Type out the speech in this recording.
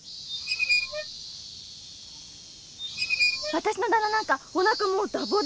私の旦那なんかおなかもうダボダボ。